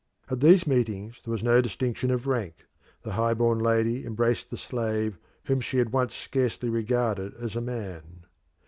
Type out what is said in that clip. At these meetings there was no distinction of rank; the high born lady embraced the slave whom she had once scarcely regarded as a man.